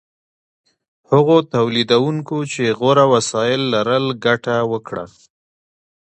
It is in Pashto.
هغو تولیدونکو چې غوره وسایل لرل ګټه وکړه.